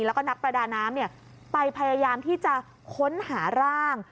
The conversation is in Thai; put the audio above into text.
แล้วก็นักประดาน้ำไปพยายามที่จะค้นหาร่าง